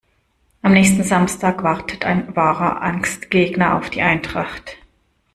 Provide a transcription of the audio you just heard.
Am nächsten Samstag wartet ein wahrer Angstgegner auf die Eintracht.